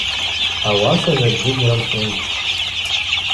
Ауаса закӏгьи гьрымхӏвузтӏ.